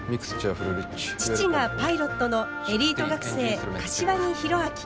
父がパイロットのエリート学生柏木弘明。